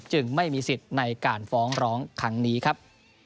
จึงไม่มีสิทธิ์ในการฟ้องร้องครั้งนี้ครับ